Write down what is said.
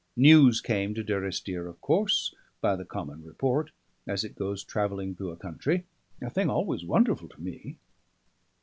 News came to Durrisdeer of course, by the common report, as it goes travelling through a country, a thing always wonderful to me.